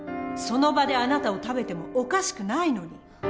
その場であなたを食べてもおかしくないのに。